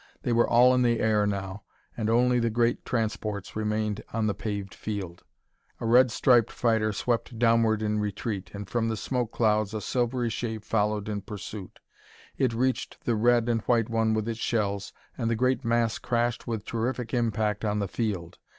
They were all in the air now, and only the great transports remained on the paved field. A red striped fighter swept downward in retreat, and, from the smoke clouds, a silvery shape followed in pursuit. It reached the red and white one with its shells, and the great mass crashed with terrific impact on the field.